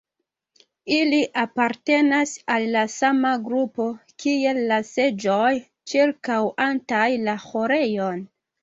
Ili apartenas al la sama grupo kiel la seĝoj ĉirkaŭantaj la ĥorejon.